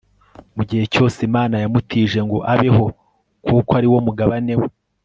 mu gihe cyose imana yamutije ngo abeho kuko ari wo mugabane we